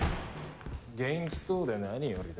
元気そうで何よりだ。